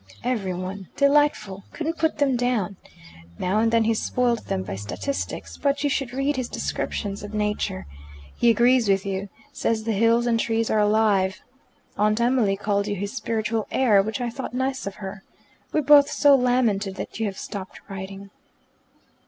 "Every one. Delightful. Couldn't put them down. Now and then he spoilt them by statistics but you should read his descriptions of Nature. He agrees with you: says the hills and trees are alive! Aunt Emily called you his spiritual heir, which I thought nice of her. We both so lamented that you have stopped writing."